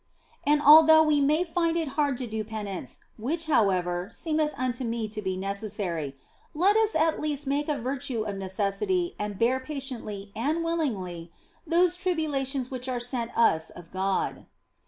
And although we may find it hard to do penance (which, however, seemeth unto me to be necessary), let us at least make a virtue of necessity and bear patiently and willingly those tribulations which are sent us of God.